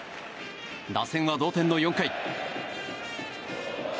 打線は、同点の４回。